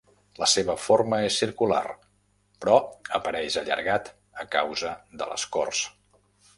La seva forma és circular, però apareix allargat a causa de l'escorç.